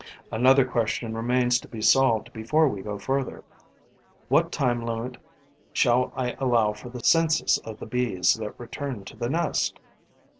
Another question remains to be solved before we go further. What time limit shall I allow for this census of the Bees that return to the nest?